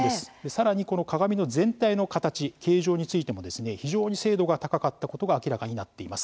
更にこの鏡の全体の形形状についても非常に精度が高かったことが明らかになっています。